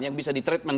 yang bisa di treatment